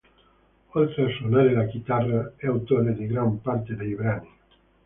Oltre a suonare la chitarra, è autore di gran parte dei brani.